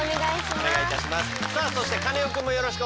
お願いします。